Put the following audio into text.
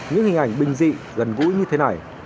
những hình ảnh bình dị gần gũi như thế này